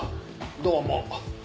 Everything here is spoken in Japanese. どうも。